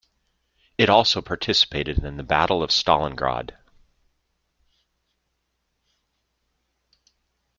It also participated in the Battle of Stalingrad.